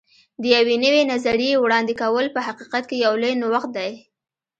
د یوې نوې نظریې وړاندې کول په حقیقت کې یو لوی نوښت دی.